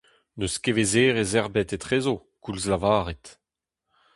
N'eus kevezerezh ebet etrezo, koulz lavaret.